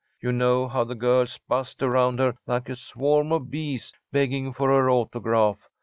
You know how the girls buzzed around her like a swarm of bees, begging for her autograph.